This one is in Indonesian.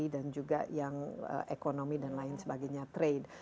dan juga yang ekonomi dan lain sebagainya trade